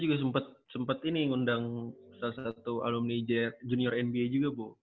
juga sempat ini ngundang salah satu alumni junior nba juga bu